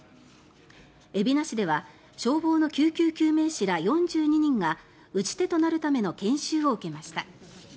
海老名市では消防の救急救命士ら４２人が打ち手となるための研修を受けました。